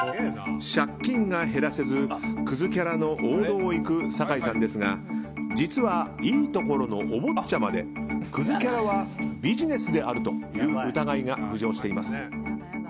借金が減らせずクズキャラの王道を行く酒井さんですが実はいいところのお坊ちゃまでクズキャラはビジネスであるという疑いが浮上しています。